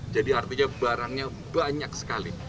artinya barangnya banyak sekali